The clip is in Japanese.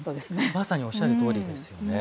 まさにおっしゃるとおりですよね。